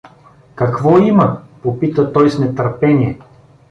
— Какво има? — попита той с нетърпение.